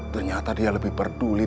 ternyata dia lebih peduli